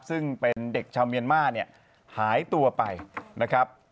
ซึ่งเป็นเด็กชาวเมียนมาร์เนี่ยหายตัวไปนะครับ